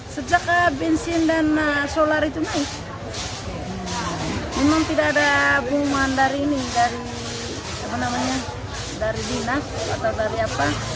sejak bensin dan solar itu naik memang tidak ada bunga dari ini dari dinas atau dari apa